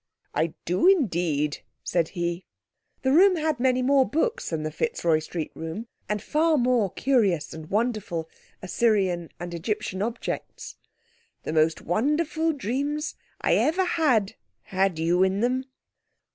"I do, indeed," said he. The room had many more books than the Fitzroy Street room, and far more curious and wonderful Assyrian and Egyptian objects. "The most wonderful dreams I ever had had you in them."